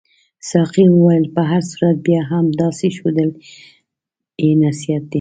ساقي وویل په هر صورت بیا هم داسې ښودل یې نصیحت دی.